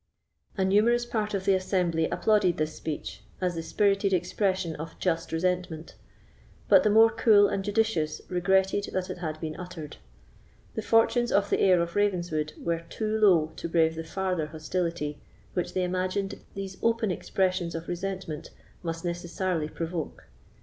A numerous part of the assembly applauded this speech, as the spirited expression of just resentment; but the more cool and judicious regretted that it had been uttered. The fortunes of the heir of Ravenswood were too low to brave the farther hostility which they imagined these open expressions of resentment must necessarily provoke.